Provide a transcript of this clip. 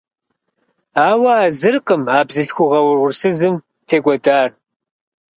Ауэ а зыркъым а бзылъхугьэ угъурсызым текӏуэдар.